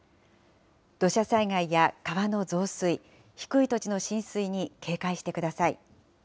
土砂災害や川の増水、低い土地の浸水に警戒してください。